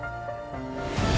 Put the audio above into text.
jangan lupa untuk berlangganan